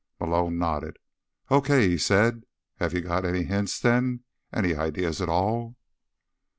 Malone nodded slowly. "Okay," he said. "Have you got any hints, then? Any ideas at all?"